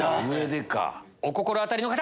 お心当たりの方！